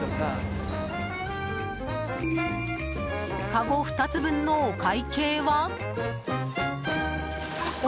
かご２つ分のお会計は。